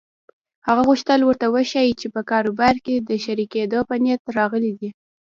هغه غوښتل ورته وښيي چې په کاروبار کې د شريکېدو په نيت راغلی دی.